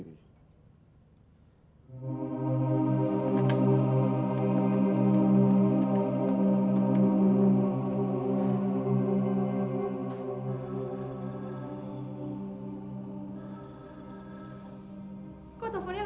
kok teleponnya gak diangkat